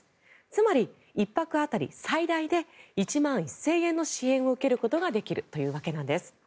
つまり、１泊当たり最大で１万１０００円の支援を受けることができるというわけなんです。